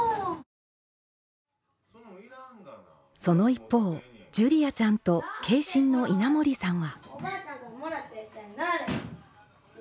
その一方ジュリアちゃんと継親の稲森さんは。